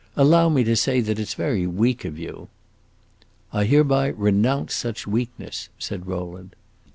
Allow me to say that it 's very weak of you." "I hereby renounce such weakness!" said Rowland.